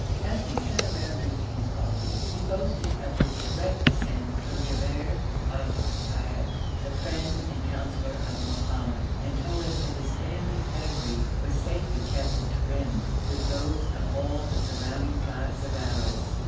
As we sat around drinking his coffee, he boasted of his direct descent from Jabber of Hiyal, the friend and councillor of Mohammed, and told us that his family pedigree was safely kept at Terim, with those of all the surrounding tribes of Arabs.